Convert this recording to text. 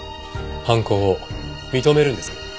犯行を認めるんですね？